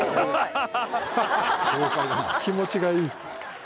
気持ちがいい